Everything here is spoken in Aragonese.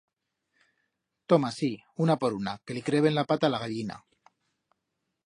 Toma, sí, una por una que li creben la pata a la gallina.